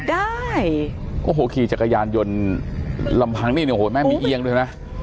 ได้โอ้โหขี่จักรยานยนต์ลำพังนี่โอ้โหแม่มีเอี่ยงด้วยนะ